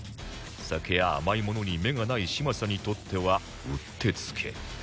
酒や甘いものに目がない嶋佐にとってはうってつけ